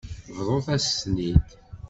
Bḍut-as-ten-id.